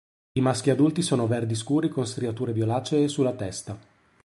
I maschi adulti sono verdi scuri con striature violacee sulla testa.